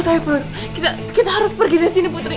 tapi mana lawannya putri